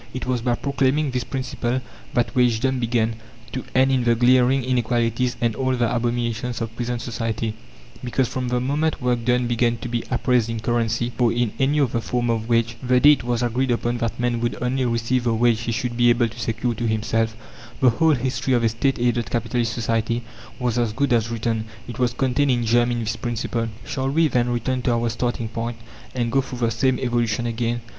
It was by proclaiming this principle that wagedom began, to end in the glaring inequalities and all the abominations of present society; because, from the moment work done began to be appraised in currency, or in any other form of wage, the day it was agreed upon that man would only receive the wage he should be able to secure to himself, the whole history of a State aided Capitalist Society was as good as written; it was contained in germ in this principle. Shall we, then, return to our starting point, and go through the same evolution again?